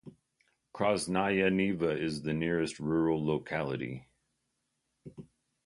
Krasnaya Niva is the nearest rural locality.